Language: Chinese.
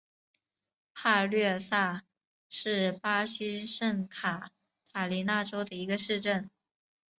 帕略萨是巴西圣卡塔琳娜州的一个市镇。